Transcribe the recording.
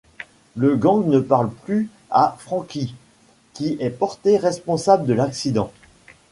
Le gang ne parle plus à Franky, qui est portée responsable de l'accident.